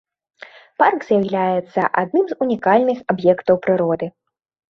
Парк з'яўляецца аднім з унікальных аб'ектаў прыроды.